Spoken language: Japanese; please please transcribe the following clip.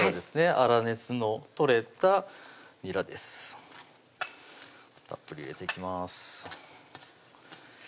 粗熱の取れたにらですたっぷり入れていきます